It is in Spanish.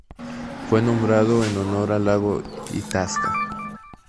Fue nombrado en honor al lago Itasca.